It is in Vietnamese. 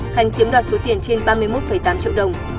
khánh chiếm đoạt số tiền trên ba mươi một tám triệu đồng